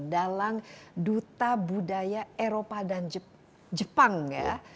dalang duta budaya eropa dan jepang ya